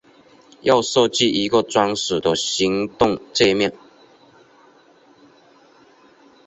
要设计一个专属的行动介面